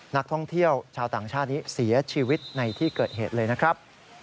นักท่องเที่ยวชาวต่างชาตินี้เสียชีวิตในที่เกิดเหตุเลยนะครับ